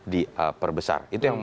diperbesar itu yang